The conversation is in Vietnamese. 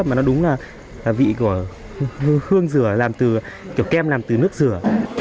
mà nó đúng là vị của hương dừa làm từ kiểu kem làm từ nước dừa